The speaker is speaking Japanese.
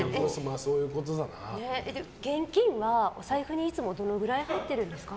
現金は財布にいつもどのぐらい入ってるんですか。